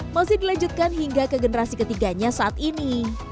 masih dilanjutkan hingga ke generasi ketiganya saat ini